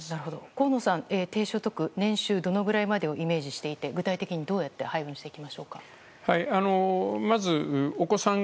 河野さん、低所得年収どのくらいまでをイメージしていて具体的にどうやって配分していきましょうか？